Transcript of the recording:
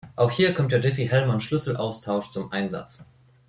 Auch hier kommt der Diffie-Hellman-Schlüsselaustausch zum Einsatz.